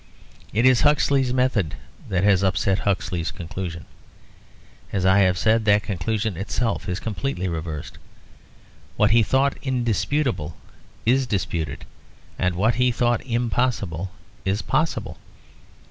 It is Huxley's method that has upset Huxley's conclusion. As I have said, that conclusion itself is completely reversed. What he thought indisputable is disputed; and what he thought impossible is possible.